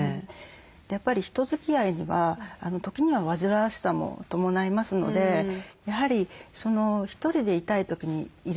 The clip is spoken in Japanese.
やっぱり人づきあいには時には煩わしさも伴いますのでやはり１人でいたい時にいれる。